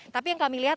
tapi yang kami lihat